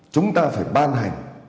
chúng ta phải ban hành